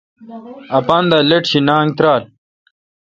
اپان دا لیٹ شینانگ ترال